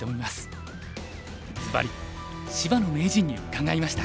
ずばり芝野名人に伺いました。